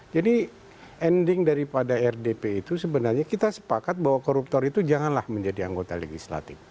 jadi ending daripada rdp itu sebenarnya kita sepakat bahwa koruptor itu janganlah menjadi anggota legislatif